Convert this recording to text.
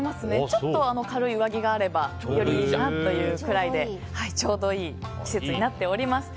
ちょっと軽い上着があればよりいいなというくらいでちょうどいい季節になっております。